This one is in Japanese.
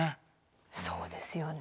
そうですよね。